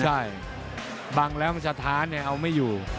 ใช่บังแล้วสถานเอาไม่อยู่